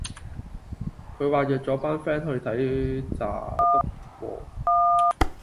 佢話約咗班 fan 去睇查篤喎